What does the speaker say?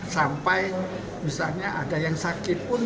sampai misalnya ada yang sakit pun